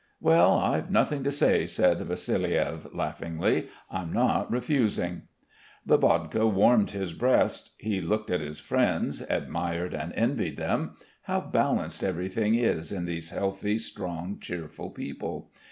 "Well, I've nothing to say," said Vassiliev laughingly, "I'm not refusing?" The vodka warmed his breast. He looked at his friends, admired and envied them. How balanced everything is in these healthy, strong, cheerful people.